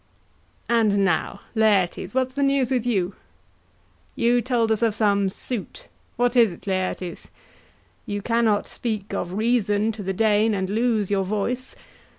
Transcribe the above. _] And now, Laertes, what's the news with you? You told us of some suit. What is't, Laertes? You cannot speak of reason to the Dane, And lose your voice.